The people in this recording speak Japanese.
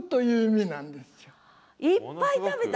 いっぱい食べた？